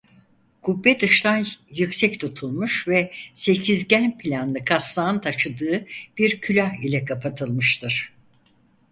Kubbe dıştan yüksek tutulmuş ve sekizgen planlı kasnağın taşıdığı bir külah ile kapatılmıştır.